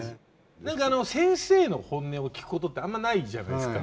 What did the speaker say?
何か先生の本音を聞くことってあんまないじゃないですか。